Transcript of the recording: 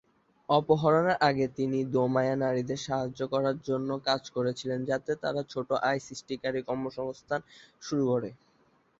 অপহরণের আগে, তিনি দৌমায় নারীদের সাহায্য করার জন্য কাজ করছিলেন যাতে তারা ছোট আয় সৃষ্টিকারী কর্মসংস্থান শুরু করে।